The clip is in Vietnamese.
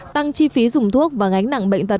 tăng chi phí dùng thuốc và gánh nặng bệnh tật